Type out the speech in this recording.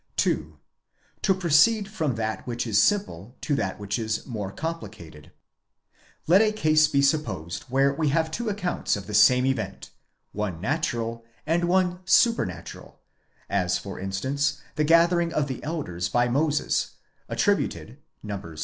2. To proceed from that which is simple to that which is more complicated. Let a case be supposed where we have two accounts of the same event, the one natural, the other supernatural, as, for instance, the gathering of the elders by Moses, attributed, Numbers, xi.